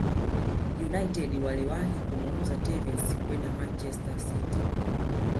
United waliwahi kumuuza Tevez kwenda manchester City